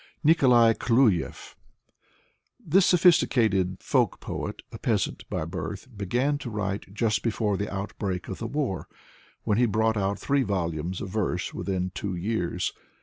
Nikolai Kluyev This sophisticated folk poet, a peasant bj birth, began to write just before the outbreak of the war, when he brought out three volumes of verse within two years.